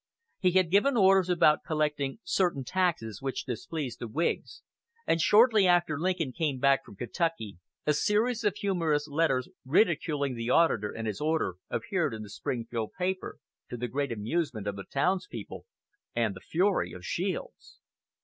He had given orders about collecting certain taxes which displeased the Whigs, and shortly after Lincoln came back from Kentucky a series of humorous letters ridiculing the auditor and his order appeared in the Springfield paper, to the great amusement of the townspeople and the fury of Shields.